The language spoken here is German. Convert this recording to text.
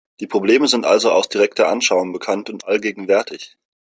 Die Probleme sind also aus direkter Anschauung bekannt und allgegenwärtig.